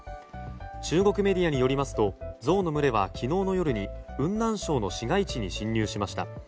中国メディアによりますとゾウの群れは昨日の夜に雲南省の市街地に進入しました。